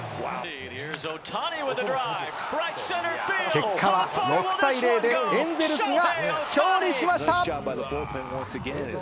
結果は６対０でエンゼルスが勝利しました。